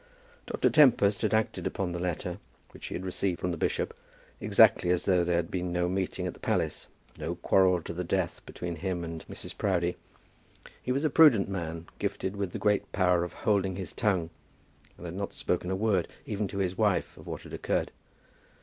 Dr. Tempest had acted upon the letter which he had received from the bishop, exactly as though there had been no meeting at the palace, no quarrel to the death between him and Mrs. Proudie. He was a prudent man, gifted with the great power of holding his tongue, and had not spoken a word, even to his wife, of what had occurred.